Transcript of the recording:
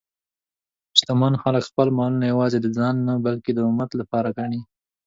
شتمن خلک خپل مال یوازې د ځان نه، بلکې د امت لپاره ګڼي.